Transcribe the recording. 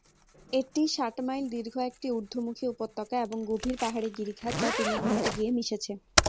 এটি ষাট মাইল দীর্ঘ একটি ঊর্ধ্বমুখী উপত্যকা এবং গভীর পাহাড়ী গিরিখাত, যা তৃণভূমিতে গিয়ে মিশেছে।